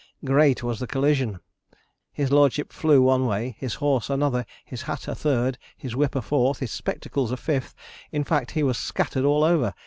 Great was the collision! His lordship flew one way, his horse another, his hat a third, his whip a fourth, his spectacles a fifth; in fact, he was scattered all over.